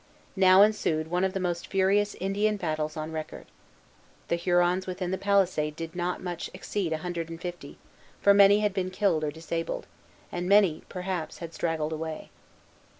Now ensued one of the most furious Indian battles on record. The Hurons within the palisade did not much exceed a hundred and fifty; for many had been killed or disabled, and many, perhaps, had straggled away.